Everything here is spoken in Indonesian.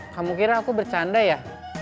kamu kira aku bercanda ya